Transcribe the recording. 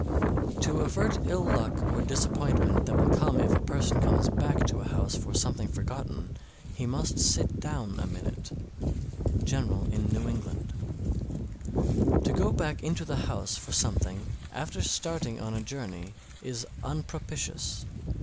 _ 659. To avert ill luck or disappointment that will come if a person comes back to a house for something forgotten, he must sit down a minute. General in New England. 660. To go back into the house for something after starting on a journey is unpropitious.